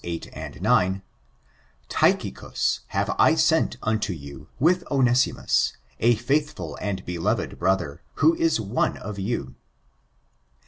8, 9: "Tychicns have I sent unto yon with Onesimus, a faithful and beloved brother, who is one of you."